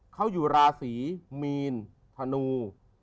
เขาอยู่ราศีมีนธนู